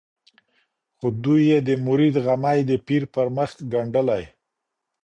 خو دوى يې د مريد غمى د پير پر مخ ګنډلی